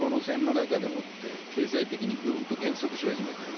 中国もこの路線の中でもって経済的にぐんと減速し始めている。